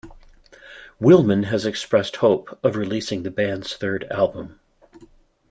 Willman has expressed hope of releasing the band's third album.